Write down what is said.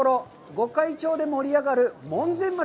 御開帳で盛り上がる門前町。